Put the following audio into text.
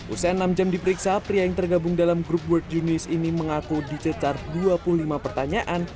usai enam jam diperiksa pria yang tergabung dalam grup world junius ini mengaku dicecar dua puluh lima pertanyaan